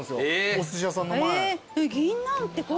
おすし屋さんの前。